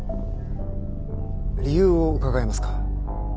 理由を伺えますか。